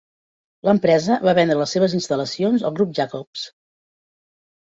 L'empresa va vendre les seves instal·lacions al Grup Jacobs.